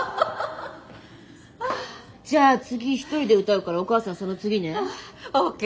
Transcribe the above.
じゃあ次１人で歌うからお母さんその次ね。ＯＫ。